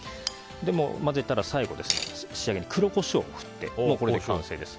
混ぜたら、最後仕上げに黒コショウを振ってこれで完成です。